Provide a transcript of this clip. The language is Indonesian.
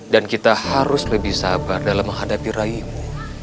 dan kita harus lebih sabar dalam menghadapi raimu